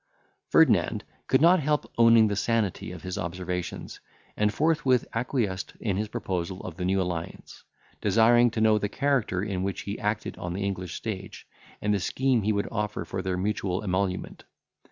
Ferdinand could not help owning the sanity of his observations, and forthwith acquiesced in his proposal of the new alliance; desiring to know the character in which he acted on the English stage, and the scheme he would offer for their mutual emolument.